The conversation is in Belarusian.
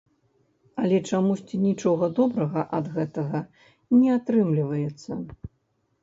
Але чамусьці нічога добрага ад гэтага не атрымліваецца.